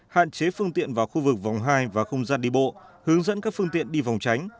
hạn chế phương tiện vào khu vực vòng hai và không gian đi bộ hướng dẫn các phương tiện đi vòng tránh